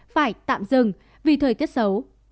phải tạm dừng vì thời tiết xấu